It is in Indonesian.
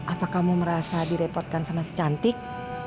apa kamu merasa direpotkan sama si cantik